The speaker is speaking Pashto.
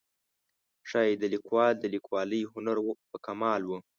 ښایي د لیکوال د لیکوالۍ هنر و کمال و.